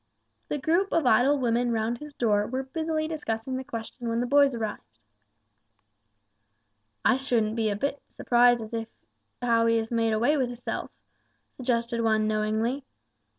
The group of idle women round his door were busily discussing the question when the boys arrived. "I shouldn't be a bit surprised if as how he has made away with hisself," suggested one, knowingly.